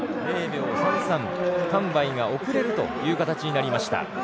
０秒３３、韓梅が後れるという形になりました。